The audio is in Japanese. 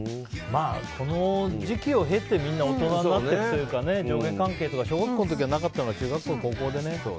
この時期を経てみんな大人になっていくというか上下関係とか小学校の時はなかったのが中学校、高校でね。